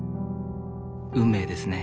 運命ですね。